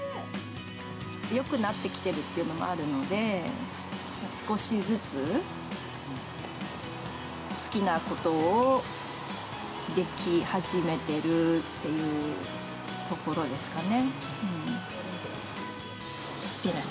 よくなってきているっていうのもあるので、少しずつ、好きなことをでき始めているっていうところですかね。